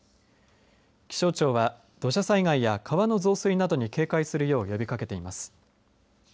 気象庁は土砂災害や川の増水などに警戒するよう呼びかけています。